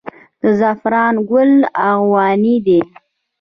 د زعفرانو ګل ارغواني دی